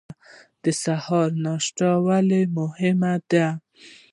د سهار ناشته ولې مهمه ده؟